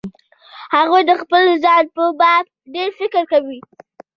هغوی د خپل ځان په باب ډېر فکر کوي.